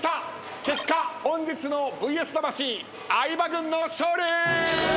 結果本日の『ＶＳ魂』相葉軍の勝利！